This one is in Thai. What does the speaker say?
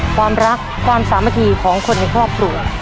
ความรักความสามัคคีของคนในครอบครัว